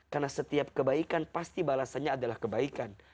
karena setiap kebaikan pasti balasannya adalah kebaikan